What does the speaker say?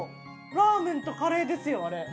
ラーメンとカレーですよ。